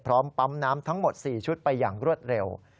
พร้อมปั๊มน้ำทั้งหมด๔ชุดไปอย่างรวดเร็ว